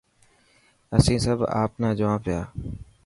اسين سڀ آپ نا جوا پيا.